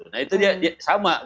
nah itu dia sama